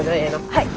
はい。